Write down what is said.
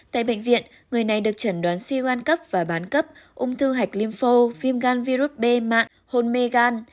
tại bệnh viện người này được trần đoán suy gan cấp và bán cấp ung thư hạch lympho viêm gan virus b mạng hôn mê gan